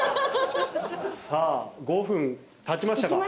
さあ５分経ちましたか。